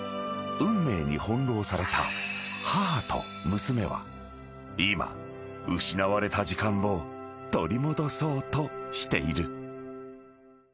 ［運命に翻弄された母と娘は今失われた時間を取り戻そうとしている］